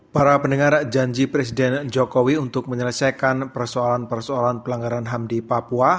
para pendengar janji presiden jokowi untuk menyelesaikan persoalan persoalan pelanggaran ham di papua